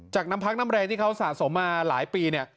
น้ำพักน้ำแรงที่เขาสะสมมาหลายปีเนี่ย